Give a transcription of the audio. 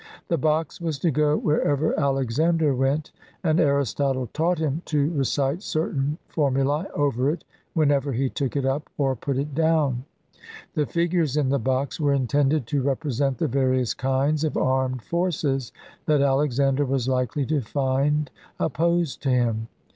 The box was to go wherev er Alexander went, and Aristotle taught him to re cite certain formulae over it whenever he took it up or put it down. The figures in the box were intended to represent the various kinds of armed forces that Alexander was likely to find opposed to him.